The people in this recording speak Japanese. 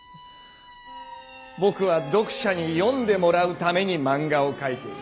僕は読者に「読んでもらうため」にマンガを描いている！